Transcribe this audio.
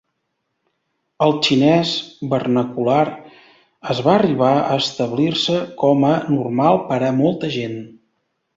El xinès vernacular va arribar a establir-se com a normal per a molta gent.